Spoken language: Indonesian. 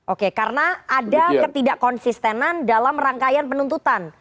oke karena ada ketidak konsistenan dalam rangkaian penuntutan